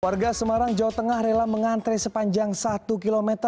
warga semarang jawa tengah rela mengantre sepanjang satu km